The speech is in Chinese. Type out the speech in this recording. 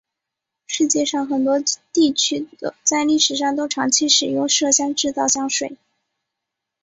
世界上很多地区在历史上都长期使用麝香制造香水。